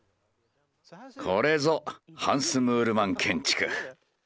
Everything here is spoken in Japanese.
これぞハンス・ムールマン建築！